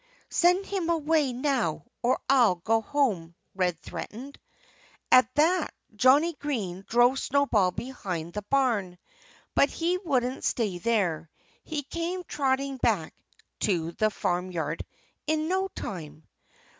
"Send him away, now; or I'll go home," Red threatened. At that Johnnie Green drove Snowball behind the barn. But he wouldn't stay there. He came trotting back to the farmyard in no time.